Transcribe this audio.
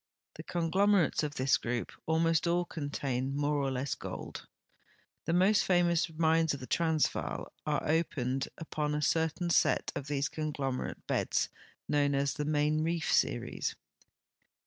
The conglom erates of this group almost all contain more or less gold. The most famous mines of the Transvaal are o})ened ui>on a certain set of these conglomerate beds known as the Main Reef series.